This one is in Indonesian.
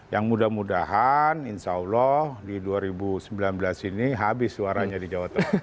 yang mudah mudahan insya allah di dua ribu sembilan belas ini habis suaranya di jawa tengah